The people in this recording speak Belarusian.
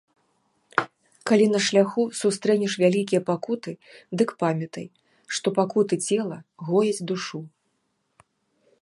Калі на шляху сустрэнеш вялікія пакуты, дык памятай, што пакуты цела гояць душу.